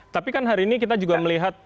tapi kan hari ini kita juga melihat